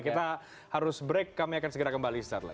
kita harus break kami akan segera kembali start lagi